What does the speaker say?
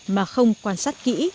mà không quan sát kỹ